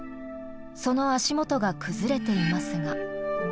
その足元が崩れていますが。